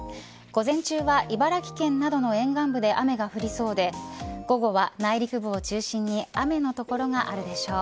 午前中は茨城県などの沿岸部で雨が降りそうで午後は内陸部を中心に雨の所があるでしょう。